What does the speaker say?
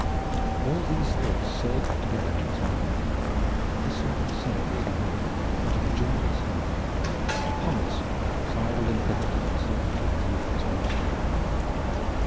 All these thoughts surged together in his mind, and he whistled and sang, as he rode, out of the joy of his heart, while Pommers sidled and curveted in sympathy with the mood of his master.